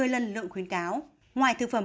một mươi lần lượng khuyến cáo ngoài thực phẩm